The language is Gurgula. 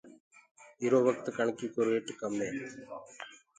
هيل ڪڻڪيِ ڪو ريٽ بيٚ گھٽ هي۔